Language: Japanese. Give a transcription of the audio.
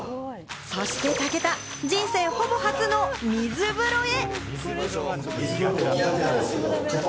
そして武田、人生ほぼ初の水風呂へ。